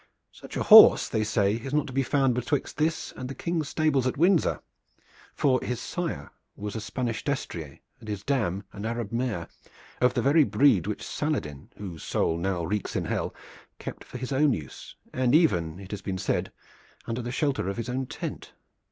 Such a horse, they say, is not to be found betwixt this and the King's stables at Windsor, for his sire was a Spanish destrier, and his dam an Arab mare of the very breed which Saladin, whose soul now reeks in Hell, kept for his own use, and even it has been said under the shelter of his own tent.